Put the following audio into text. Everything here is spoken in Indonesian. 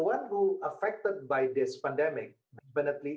jadi mereka mencoba untuk mengganti